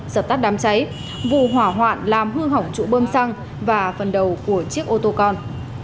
dập tắt đám cháy vụ hỏa hoạn làm hư hỏng trụ bơm xăng và phần đầu của chiếc ô tô con